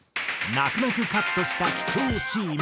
泣く泣くカットした貴重シーン。